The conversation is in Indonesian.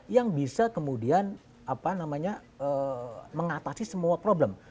yang bisa kemudian mengatasi semua problem